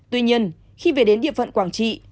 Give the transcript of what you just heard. tuy nhiên khi về đến địa phận quảng trị